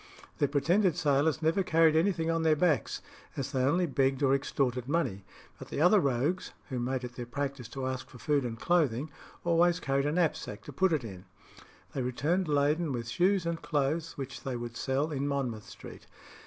The pretended sailors never carried anything on their backs, as they only begged or extorted money; but the other rogues, who made it their practice to ask for food and clothing, always carried a knapsack to put it in. They returned laden with shoes and clothes, which they would sell in Monmouth Street.